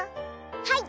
はい。